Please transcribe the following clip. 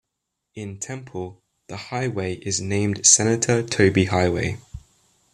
In Temple, the highway is named Senator Tobey Highway.